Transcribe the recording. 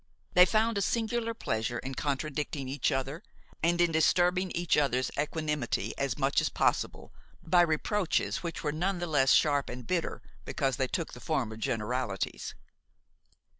They found a singular pleasure in contradicting each other and in disturbing each other's equanimity as much as possible by reproaches which were none the less sharp and bitter because they took the form of generalities.